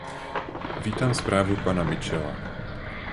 Vítám zprávu pana Mitchella.